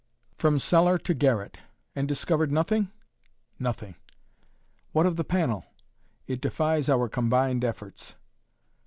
"From cellar to garret." "And discovered nothing?" "Nothing." "What of the panel?" "It defies our combined efforts."